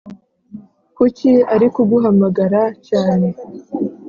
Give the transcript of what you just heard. kuki arikuguhamagara cyane